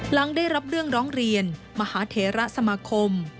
หลังได้รับเรื่องร้องเรียนมหาเทระสมาคม